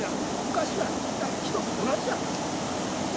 昔は一体一つ同じやったそうでございますね。